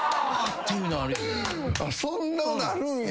そんなことなるんや。